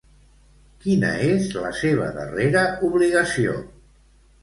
Quina és la seva darrera obligació?